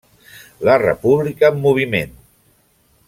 La República en moviment!